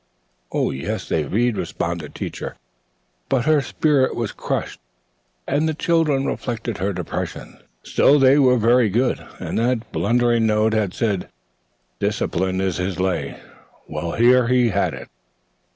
"Oh, yes, they read," responded Teacher, but her spirit was crushed and the children reflected her depression. Still, they were marvelously good and that blundering note had said, "Discipline is his lay." Well, here he had it.